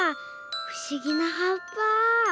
ふしぎなはっぱ。